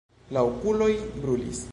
La okuloj brulis.